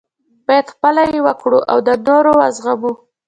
باید خپله یې وکړو او د نورو وزغمو.